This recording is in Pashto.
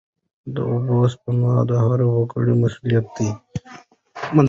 د اوبو سپما د هر وګړي مسوولیت دی.